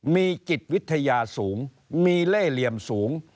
มีจิตวิทยาสูงมีเล่เหลี่ยมสูง